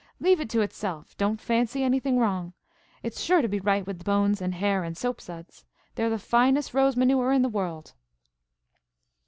Leave it to itself. Don't fancy anything wrong. It's sure to be right with bones and hair and soap suds. They're the finest rose manure in the world."